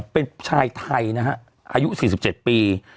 เป็นชายไทยนะฮะอายุ๔๗ปี